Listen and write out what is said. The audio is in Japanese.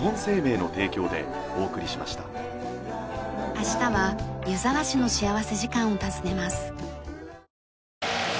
明日は湯沢市の幸福時間を訪ねます。